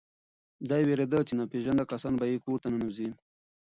دی وېرېده چې ناپېژانده کسان به یې کور ته ننوځي.